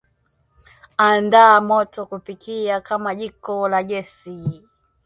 Andaa m oto kupikia kama jiko la gesi